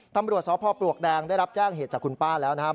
ตำรวจสพปลวกแดงได้รับแจ้งเหตุจากคุณป้าแล้วนะครับ